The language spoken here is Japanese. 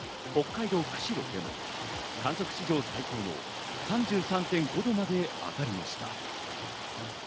北海道釧路でも観測史上最高の３３．５度まで上がりました。